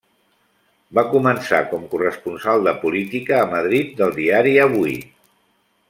Va començar com corresponsal de política a Madrid del diari Avui.